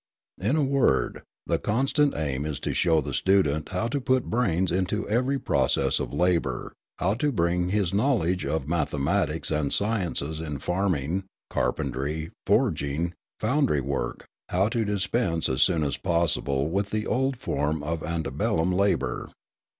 In a word, the constant aim is to show the student how to put brains into every process of labour, how to bring his knowledge of mathematics and the sciences in farming, carpentry, forging, foundry work, how to dispense as soon as possible with the old form of ante bellum labour.